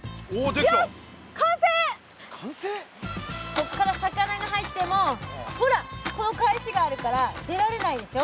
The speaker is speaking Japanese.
こっから魚が入ってもほらこの返しがあるから出られないでしょ。